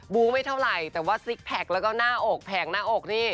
ู้ไม่เท่าไหร่แต่ว่าซิกแพคแล้วก็หน้าอกแผงหน้าอกนี่